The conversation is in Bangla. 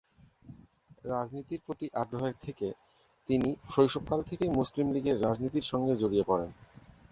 রাজনীতির প্রতি আগ্রহ থেকে তিনি শৈশবকাল থেকেই মুসলিম লীগের রাজনীতির সঙ্গে জড়িয়ে পড়েন।